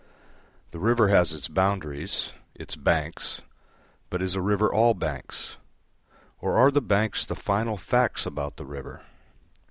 The river has its boundaries, its banks, but is a river all banks? or are the banks the final facts about the river?